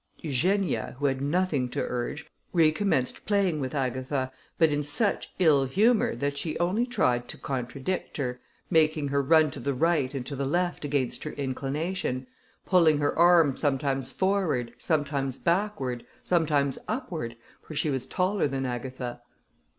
Eugenia, who had nothing to urge, recommenced playing with Agatha, but in such ill humour, that she only tried to contradict her, making her run to the right and to the left against her inclination; pulling her arm sometimes forward, sometimes backward, sometimes upward, for she was taller than Agatha.